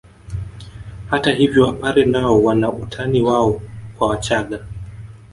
Hata hivyo wapare nao wana utani wao kwa wachaga